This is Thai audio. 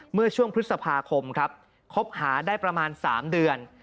เมื่อช่วงพฤษภาคมครับคบหาได้ประมาณ๓เดือน